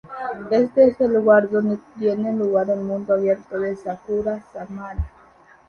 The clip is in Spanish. Este es el lugar donde tiene lugar el mundo abierto de Sakura Samsara.